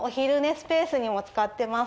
スペースにも使ってます。